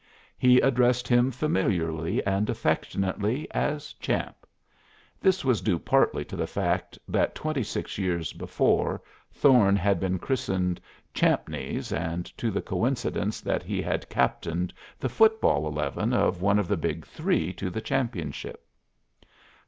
He addressed him familiarly and affectionately as "Champ." This was due partly to the fact that twenty six years before Thorne had been christened Champneys and to the coincidence that he had captained the football eleven of one of the Big Three to the championship.